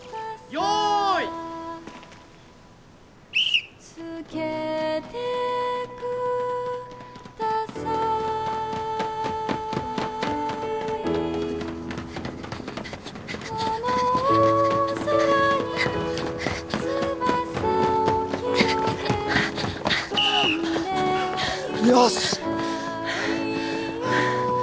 よし！